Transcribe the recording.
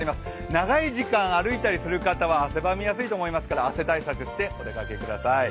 長い時間歩いたりする方は汗ばみやすいと思いますから汗対策をしてお出かけください。